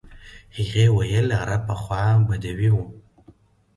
هغې ویل عرب پخوا بدوي وو.